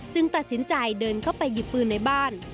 ตัดสินใจเดินเข้าไปหยิบปืนในบ้าน